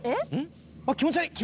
気持ち悪い！